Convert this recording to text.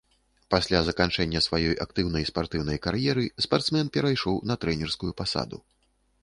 Пасля заканчэння сваёй актыўнай спартыўнай кар'еры спартсмен перайшоў на трэнерскую пасаду.